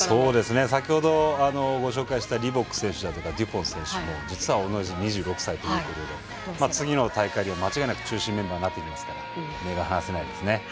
先ほど、ご紹介したリボック選手とかデュポン選手も実は同じ２６歳ということで次の大会にも間違いなく中心メンバーになってきますから目が離せないですね。